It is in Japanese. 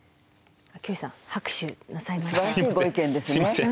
秋吉さん拍手なさいました。